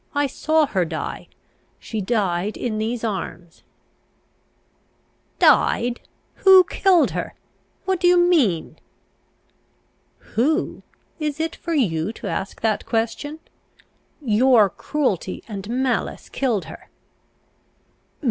I saw her die. She died in these arms." "Died? Who killed her? What do you mean?" "Who? Is it for you to ask that question? Your cruelty and malice killed her!"